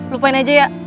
lupain aja ya